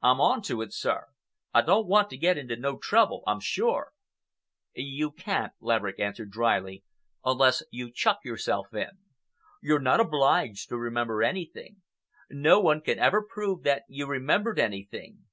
"I'm on to it, sir. I don't want to get into no trouble, I'm sure." "You can't," Laverick answered dryly, "unless you chuck yourself in. You're not obliged to remember anything. No one can ever prove that you remembered anything.